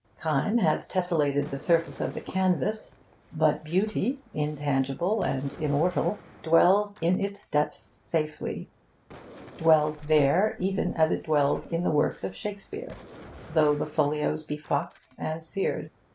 Time has tessellated the surface of the canvas; but beauty, intangible and immortal, dwells in its depths safely dwells there even as it dwells in the works of Shakespeare, though the folios be foxed and seared.